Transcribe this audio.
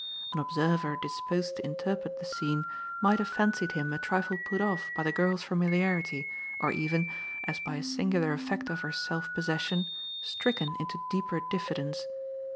An observer disposed to interpret the scene might have fancied him a trifle put off by the girl's familiarity, or even, as by a singular effect of her self possession, stricken into deeper diffidence.